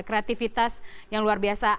kreativitas yang luar biasa